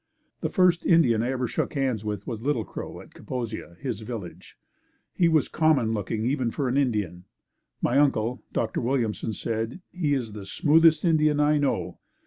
The first Indian I ever shook hands with was Little Crow at Kaposia, his village. He was common looking even for an Indian. My uncle, Dr. Williamson said, "He is the smoothest Indian I know.